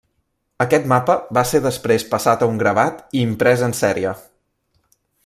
Aquest mapa va ser després passat a un gravat i imprès en sèrie.